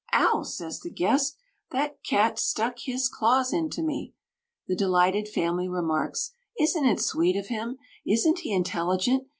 "Ow!" says the guest, "the cat stuck his claws into me!" The delighted family remarks, "Isn't it sweet of him? Isn't he intelligent?